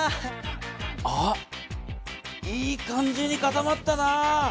あっいい感じに固まったな。